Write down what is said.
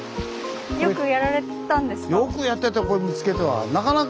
よくやられてたんですか？